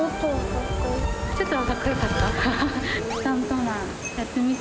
ちょっとはかっこよかった。